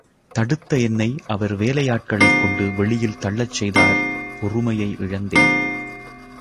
தடுத்த என்னை, அவர் வேலையாட்களைக் கொண்டு வெளியில் தள்ளச் செய்தார் பொறுமையை இழந்தேன்.